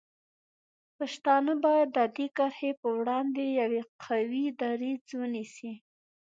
پښتانه باید د دې کرښې په وړاندې یو قوي دریځ ونیسي.